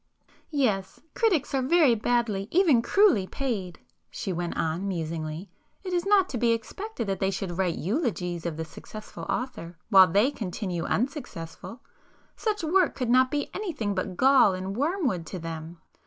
"Yes,—critics are very badly, even cruelly paid,"—she went on musingly—"It is not to be expected that they should write eulogies of the successful author, while they continue unsuccessful,—such work could not be anything but gall and wormwood to them.